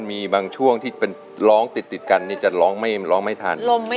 มีล้องติดกันจะล้องไม่ทัน